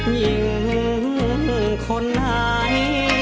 ยิ่งคนหาย